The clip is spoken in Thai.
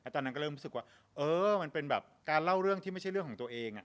ตอนนั้นก็เริ่มรู้สึกว่าเออมันเป็นแบบการเล่าเรื่องที่ไม่ใช่เรื่องของตัวเอง